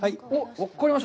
分かりました。